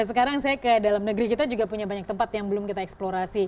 sekarang saya ke dalam negeri kita juga punya banyak tempat yang belum kita eksplorasi